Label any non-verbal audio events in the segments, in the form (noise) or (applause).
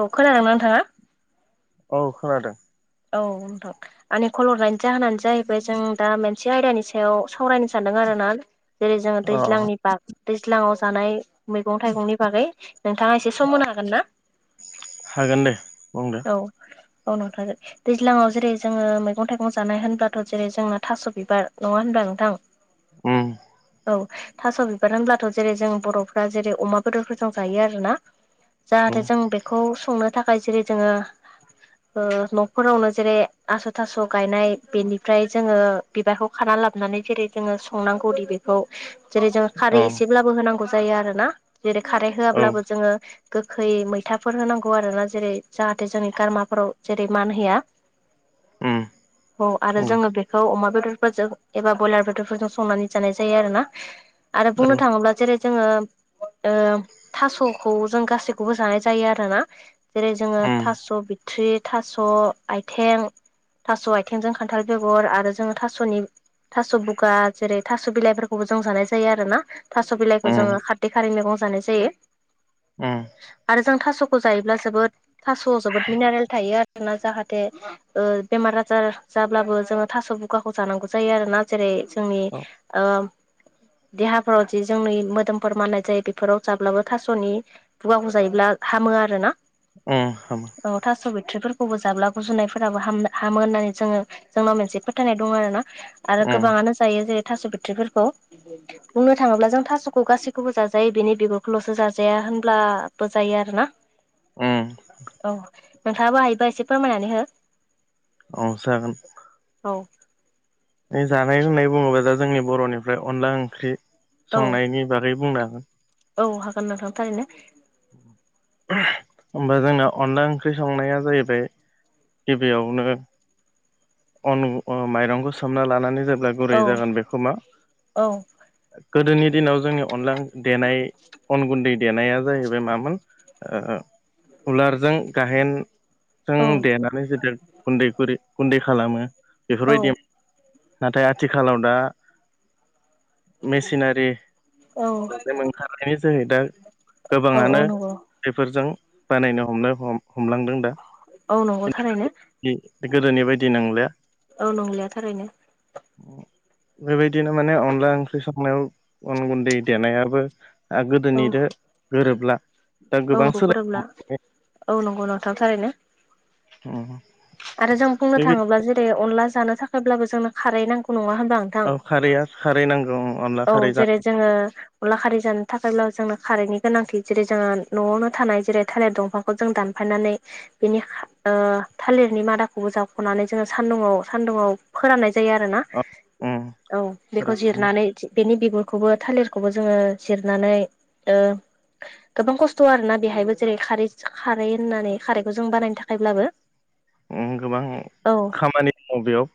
औ खोनादोंना नोंथाङा औ खोनादों औथ आनि खलरनायनि जाहानो जाहैबाय जों दा मोनसे आयदानि सायाव सावरायनो सानदों आरो ना जेरै जोङो औ दैज्लांनि बाग दैज्लाङाव जानाय मैगं थाइगंनि बागै नोंथाङा एसे सम होनो हागोन ना जागोन दे बुंदे आनथ दैज्लाङाव जेरै जोङो मैगं थाइगं जानाय होनब्लाथ' जेरै जोंना थास' बिबार नङा होनब्ला नोंथां उम औ थास' बिबार होनब्लाथ' जेरै जों बर'फ्रा जेरै अमा बेदरफोरजों जायो आरोोना औ जाहाथे जों बेखौ संनो थाखाय जेरै जोङो न'खरावनो जेरै आस' थास' गायनाय बेनिफ्राय जोङो बिबारखौ खाना लाबोनानै जेरै जोङो संनांगौ द बेखौ जेरै जोङो औ खारै एसेब्लाबो होनांगौ जायो आरो ना जेरै खारै औ होआाबब्लाबो जोङो गोखै मैथाफोर होनांगौ आरो ना जेरै जाहाथे जोंनि गारमाफोराव जेरै मान होया उम औ आरो उम जोङो बेखौ अमा एबा बयलार बेदर संनानै जानाय जायो आरोना आरो औ बुंनो थाङोब्ला जेरै जोङो थास'खौ जों गासैखौबो जानाय जायो आरोना जेरै जोङो उम थास' बिथ्रि थास' आइथें थास' आइथेंजों खान्थाल बेगर आरो जोङो थास'नि थास' बुगा जेरै थास' बिलाइफोरखौबो जों जानाय जायो आरो ना थास' बिलाइखौ उम जोङो खारदै खारै मैगं जानाय जायो आरो जों थास' खौ जायोब्ला जोबोद थास' जोबोद मिनारेल थायो आरोना जाहाथे बेमार आजार जाब्लाबो जोङो थास' बुगाखौ जानांगौ जायो आरोना जेरै जोंनि उम देहाफोराव जि जोंनि मोदोमफोर माननाय जायो बेफोराव जाब्लाबो थास'नि बुगाखौ जायोब्ला हामो बुङो आरोना औ हामो बुथ्रिफोरखौबो जाब्ला गुजुनायफोराबो हाम हामो होननानै जोङो जोंनाव मोनसे फोथायनाय दं आरोना आरो उम गोबाङानो जायो जेरै थास' बिथ्रिफोरखौ बुंनो थाङोब्ला जों थास'खौ गासैखौबो जाजायो बेनि बिगुरखौल'सो जाजाया होनब्लाबो जायो आरोना उम औ नोंथाङाबो हायोबो एसे फोरमायनानै हो औ जागोन औ जानाय लोंनाय बुङोबा दा जोंनि बर'निफ्राय अनला ओंख्रि औ संनायनि बागै बुंनो आं औ हागोन नोंथां थारैनो होनबा जोंना अनला ओंख्रि संनाया जाहैबाय गिबियावनो अन ओ माइरंखौ सोमना लानानै जेब्ला गुरै औ जागोन बेखौ मा औ गोदोनि दिनाव जोंनि अनला देनाय अन गुन्दै देनाया जाहैबाय मामोन ओ उलारजों गाहेन जों औ देनानै (unintelligible) गुन्दैफोर गुन्दै खालामो औ बेफोरबायदि नाथाय आथिखालाव दा मेसिनारि औ (unintelligible) ओंखारनायनि जोहै दा औ औ गोबाङानो नंगौ बेफोरजों बानायनो हमनो हमलांदों दा औ नंगौ थारैनो (unintelligible) गोदोनि बायदि नोलिया। औ नंलिया थारैनो। बेबायदिनो माने अनला ओंख्रि संनायाव अन गुन्दै देनायाबो ओ औ गोदोनिदो गोरोबला। दा औ गोबां सोलायबाय गोरोबला औ नंगौ नोंथां थारैनो। उम आरो जों बुंनो थाङोब्ला जेरै अनला जानो थाखायब्लाबो जोंनो खारै नांगौ नङा होम औ खारैया खारै नांगौ ओं। औ जेरै जोङो अनला खारै जानो थाखायब्लाबो जोंनो खारैनि गोनांथि जेरै जोङो न'आवनो थानाय जेरै थालेर दंफांखौ जों दानफायनानै बेनि खा ओ थालिरनि मादाखौबो जावख'नानै जोङो सानदुुंङाव सानदुुंङाव फोराननाय जायो आरोना फोराननानै औ बेखौ जिरनानै बेनि बिगुरखौबो थालिरखौबो जोङो जिरनानै ओ गोबां खस्थ' आरोना बेहायबो जेरै खारै खारै होननानै खारैखौ जों बानायनो थाखायब्लाबो। उम गोबां औ खामानि दङ बेयाव।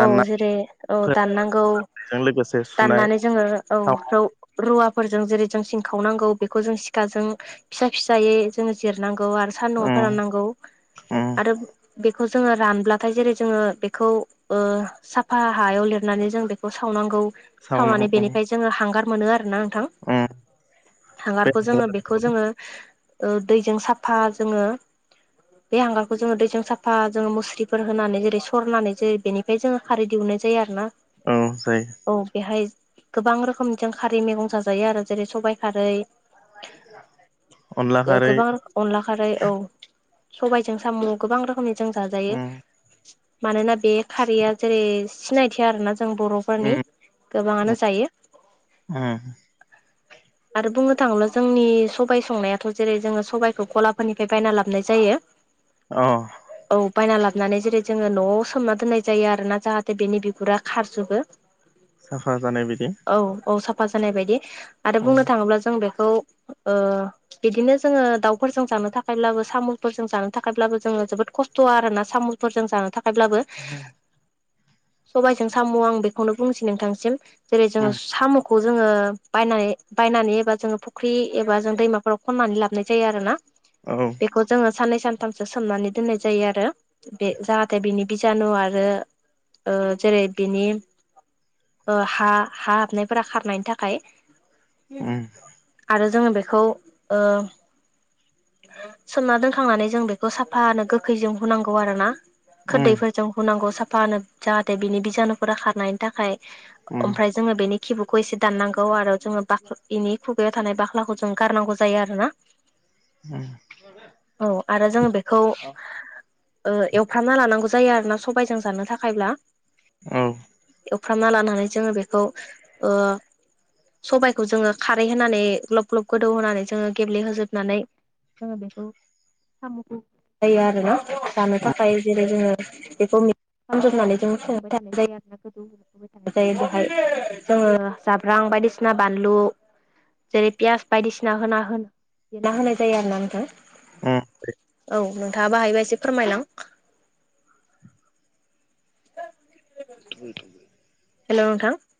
औ जेरै औ दाननांगौ फोराननायजों लोगोसे सुनाय दाननानै जोङो औ साव रौ रु रुवाफोरजों जेरै जों सिंखावनांगौ बेखौ जों सिखाजों फिसा फिसायै जोङो जिरनांगौ गौ आरो सानदुंआव उम फोराननांगौ उम आरो बेख खौ जोङो रानब्लाथाय जेरै जोङो बेखौ ओ साफा हायाव लिरनानै जों बेखौ सावनांगौ। सावनां बेनिफाय जोङो हांगार मोनो आरोना थां उम बे हांगारखौ जोङो बेखौ जोङो ओ दैजों साफा जोङो बे हांगारखौ जोङो दैजों साफा जोङो मुस्रिफोर होनानै जेरै सरनानै जेरै बेनिफाय जोङो खारै दिहुन नाय जायो आरोना औ जायो औ बेहाय गोबां रोखोमजों खारै मेगं जाजायो आरो जेरै सबाइ खारै अनला (inaudible) ओ खारै गोबां अनला खारै औ। सबाइजों साम' गोबां रोखोमनि जों जाजायो। उम मानोना बे खारैया जेरै सिनायथि आरोना जों बर'फोरनि उम गोबाङानो जायो उम (inaudible) आरो बुंनो थाङोब्ला जोंनि सबाइ संनायाथ' जेरै जोङो सबाइखौ ग'लाफोरनिफाय बायना लाबोनाय जायो। अ (inaudible) औ बायना लाब नानै जेरै जोङो न'आव सोमना दोननाय जायो आरोना जाहाथे बेनि बिगुरा खारजोबो। (unintelligible) औ औ साफा जानाय बायदि आरो बुंनो उम थाङोब्ला जों बेखौ ओ बिदिनो जोङो दाउफोरजों जानो थाखायब्लाबो साम'सफोरजों जानो थाखायब्लाबो जोङो जोबोद खस्थ' आरोना साम'फोर जों जानो थाख खायब्लाबो उम सबाइजों साम' आं बेखौनो बुंनोसै नोंथांनिसिम। जेरै जोङो उम साम' खौ जोङो बायनानै बायनानै एबा जोङो फुख्रि एबा जों दैमाफोराव खननानै लाबनाय जायो आरोना। औ बेखौ जोङो साननै सानथामसो सोमनानै दोननाय जायो आरो बे जाहाथे बिनि बिजानु आरो ओ जेरै बिनि ओ। हा-हा हाबनायफोरा खारनायनि थाखाय उम आरो। जोङो बेखौ ओ। सोमना दोनखांनानै जों बेखौ साफानो गोखैजों होनुनांगौ आरोना। उम खोरदैफोरजों हुनांगौ साफानो जाहाथे बिनि बिजानुफोरा खारनायनि थाखाय। उम ओमफ्राय जोङो बेनि खिबुखौ एसे दाननांगौ आरो जोङो बाखनि इनि खु। थानाय बाख्लाखौ जों गारनांगौ जायो आरोना। औ आरो जों बेखौ। ओ एवफ्रामना लानांगौ जायो। सबायजों जानो थाखायब्ला। औ। हुफ्रामना लानानै जोङो बेखौ ओ। सबायखौ जोङो खारै होनानै ग्लब-ग्लब गोदौ होनानै जोङो गेब्लेहोजोबनानै। जोङो बेखौ साम'खौ जोङो जायो आरो न'? जानो उम थाखाय जेरै जोङो। बेखौ खालामजोबनानै जों संबाय थानाय जायो आरो गोदौबाय थानाय। जायो। बेहाय जोङो जाब्रां बायदिसिना बानलु। जेरै पियास बायदिसिना होना-होनाय जायो आरोना नोंथां। उम औ नोंथाङाबो हायोबा एसे फोरमायलां। (inaudible) हेल'! नोंथां।